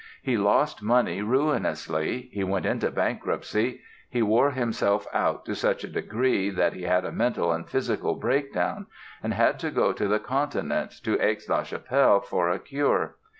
He lost money ruinously, he went into bankruptcy, he wore himself out to such a degree that he had a mental and physical breakdown and had to go to the Continent, to Aix la Chapelle, for a cure.